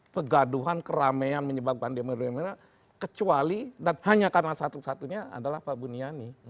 kegaduhan keramaian menyebabkan pandemi kecuali dan hanya karena satu satunya adalah pak bu niani